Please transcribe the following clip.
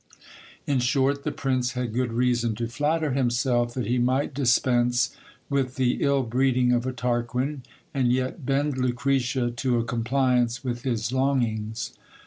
In short, the prince had good reason to flatter himself that he might dispense with the ill breeding of a Tarquin, and yet bend Lucretia to a compliance with his long ings.